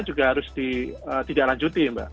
juga harus tidak lanjuti mbak